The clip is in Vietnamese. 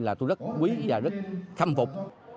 là tôi rất quý và rất khâm phục